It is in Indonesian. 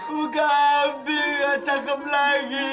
buka abi nggak cakep lagi